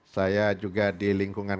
saya juga di lingkungan